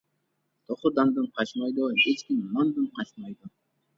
توخۇ داندىن قاچمايدۇ، ھېچكىم ناندىن قاچمايدۇ.